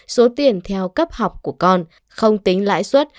số tiền theo cấp học của con không tính lãi suất